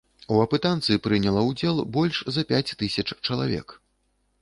У апытанцы прыняла ўдзел больш за пяць тысяч чалавек.